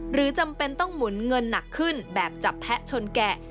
จำเป็นต้องหมุนเงินหนักขึ้นแบบจับแพะชนแกะ